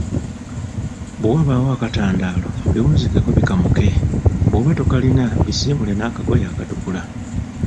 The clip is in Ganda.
Bwe wabaawo akatandaalo, biwunzikeko bikamuke bw‘oba tokalina bisiimuule n‘akagoye akatukula.